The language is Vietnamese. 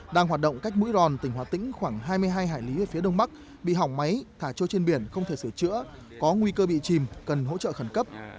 đang hoạt động cách mũi ròn tỉnh hòa tĩnh khoảng hai mươi hai hải lý ở phía đông bắc bị hỏng máy thả trôi trên biển không thể sửa chữa có nguy cơ bị chìm cần hỗ trợ khẩn cấp